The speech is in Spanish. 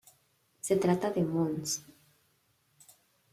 Se trata de Mons.